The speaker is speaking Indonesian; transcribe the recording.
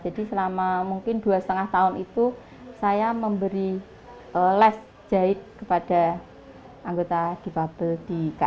jadi selama mungkin dua lima tahun itu saya memberi les jahit kepada anggota difabel di ksd